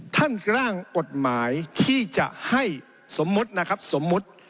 กล้างกฎหมายที่จะให้สมมุตินะครับสมมุติ